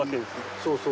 そうそう。